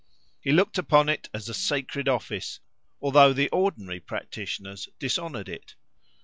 He looked upon, it as a sacred office, although the ordinary practitioners dishonoured it.